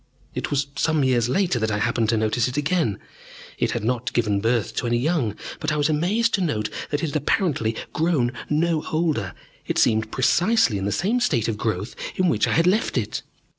It was some years later that I happened to notice it again. It had not given birth to any young, but I was amazed to note that it had apparently grown no older: it seemed precisely in the same state of growth in which I had left it.